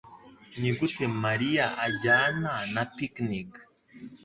Nigute Mariya ajyana na picnic?